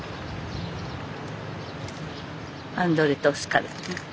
アンドレとオスカル。